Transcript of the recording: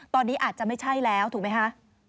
ตอนนี้อาจจะไม่ใช่แล้วถูกไหมคะ